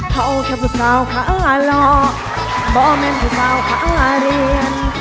เผ่าเฉพาะสาวข้าวหล่อบ่อแม่นเฉพาะข้าวหล่อเรียน